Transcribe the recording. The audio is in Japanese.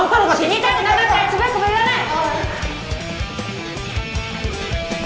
死にたくなかったらつべこべ言わない！